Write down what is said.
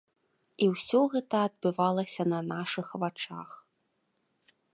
І ўсё гэта адбывалася на нашых вачах.